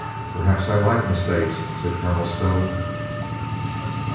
"Perhaps I like mistakes," said Colonel Stow.